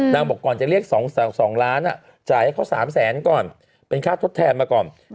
บอกก่อนจะเรียก๒ล้านจ่ายให้เขา๓แสนก่อนเป็นค่าทดแทนมาก่อน